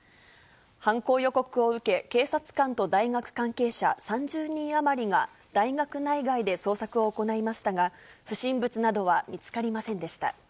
犯行予告を受け、警察官と大学関係者３０人余りが、大学内外で捜索を行いましたが、不審物などは見つかりませんでした。